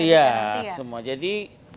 iya semua jadi